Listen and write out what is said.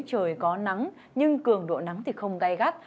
trời có nắng nhưng cường độ nắng thì không gai gắt